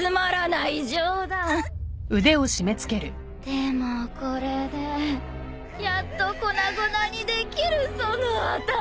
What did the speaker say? でもこれでやっと粉々にできるその頭。